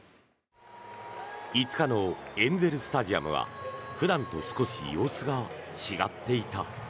５日のエンゼル・スタジアムは普段と少し様子が違っていた。